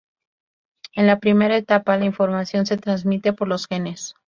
En la primera etapa, la información se transmite por los genes.